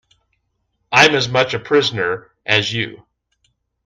I'm as much a prisoner as you.